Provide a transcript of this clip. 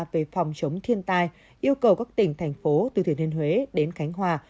về phòng chống thiên tai yêu cầu các tỉnh thành phố từ thuyền thiên huế đến khánh hòa